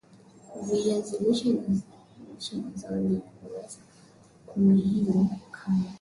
viazi lishe ni zao linaloweza kuhimili ukame